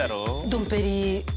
ドンペリ。